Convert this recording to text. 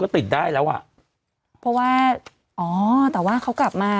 ติดได้แล้วอ่ะเพราะว่าอ๋อแต่ว่าเขากลับมา